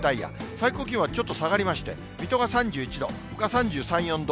最高気温はちょっと下がりまして、水戸が３１度、ほか３３、４度。